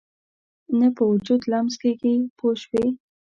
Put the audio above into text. نه په وجود لمس کېږي پوه شوې!.